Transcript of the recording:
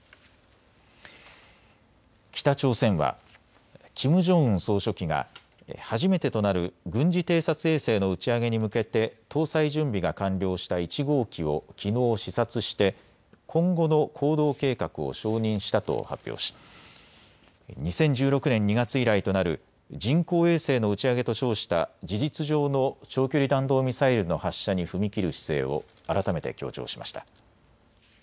北朝鮮はキム・ジョンウン総書記が初めてとなる軍事偵察衛星の打ち上げに向けて搭載準備が完了した１号機をきのう視察して今後の行動計画を承認したと発表し２０１６年２月以来となる人工衛星の打ち上げと称した事実上の長距離弾道ミサイルの発射に踏み切る姿勢を改めて強調しました。